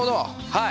はい。